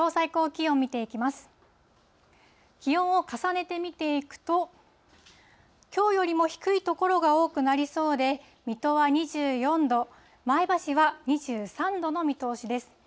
気温を重ねて見ていくと、きょうよりも低い所が多くなりそうで、水戸は２４度、前橋は２３度の見通しです。